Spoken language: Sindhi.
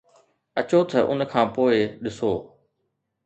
اچو ته ان کان پوء ڏسو